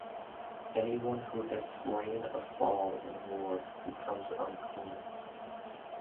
Anyone who has slain a fall in war becomes unclean.